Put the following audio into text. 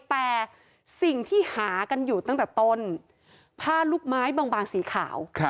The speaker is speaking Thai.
แต่สิ่งที่หากันอยู่ตั้งแต่ต้นผ้าลูกไม้บางสีขาว